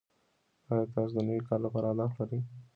ایا تاسو د نوي کال لپاره اهداف لرئ؟